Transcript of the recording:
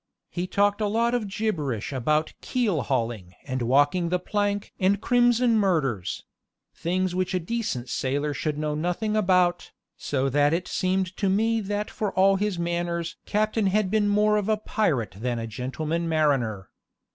He talked a lot of gibberish about keelhauling and walking the plank and crimson murders things which a decent sailor should know nothing about, so that it seemed to me that for all his manners captain had been more of a pirate than a gentleman mariner.